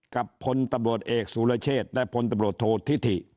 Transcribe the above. กับพตเอกสุรเชษและพตโทษทิธิ